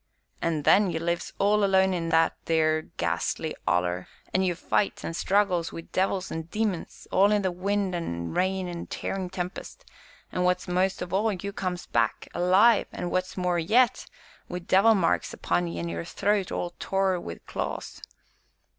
"An' then, you lives all alone in that theer ghashly 'Oller an' you fights, an' struggles wi' devils an' demons, all in the wind an' rain an' tearin' tempest an' what's most of all you comes back alive; an' what's more yet, wi' devil marks upon ye an' your throat all tore wi' claws.